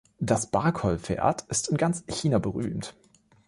Das Barkol-Pferd ist in ganz China berühmt.